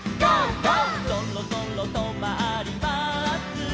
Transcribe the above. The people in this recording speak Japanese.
「そろそろとまりまーす」